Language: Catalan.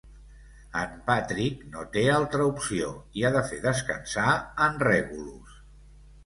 En Patrick no té altra opció i ha de fer descansar en Regulus.